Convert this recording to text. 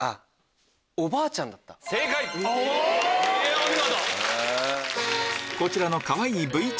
お見事！